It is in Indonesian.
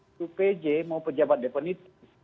itu pj mau pejabat depan itu